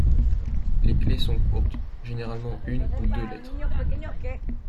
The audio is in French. Les clés sont courtes, généralement une ou deux lettres.